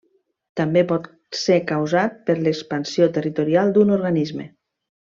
També pot ser causat per l'expansió territorial d'un organisme.